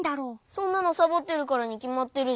そんなのサボってるからにきまってるじゃん。